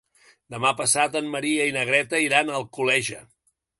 Demà passat en Maria i na Greta iran a Alcoleja.